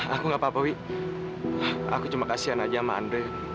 aku gak apa apa wih aku cuma kasihan aja sama andre